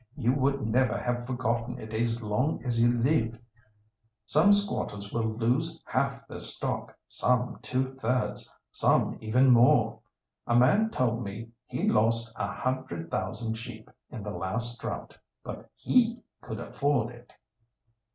You would never have forgotten it as long as you lived. Some squatters will lose half their stock, some two thirds, some even more. A man told me he lost a hundred thousand sheep in the last drought. But he could afford it."